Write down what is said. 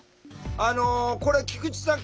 あのこれ菊池さん